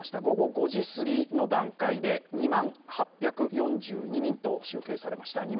午後５時すぎの段階で２万８４２人と集計されました。